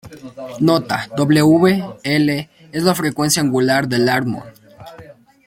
Nota: wL es la frecuencia angular de Larmor.